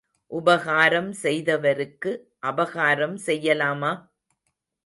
உபகாரம் செய்தவருக்கு அபகாரம் செய்யலாமா?